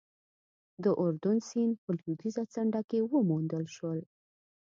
د اردون سیند په لوېدیځه څنډه کې وموندل شول.